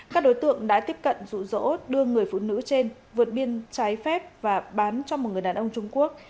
các đối tượng đã tiếp cận rủ rỗ đưa người phụ nữ trên vượt biên trái phép và bán cho một người đàn ông trung quốc